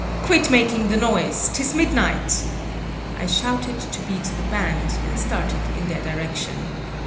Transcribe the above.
"Quit making the noise! 'Tis midnight!" I shouted to beat the band, and started in their direction.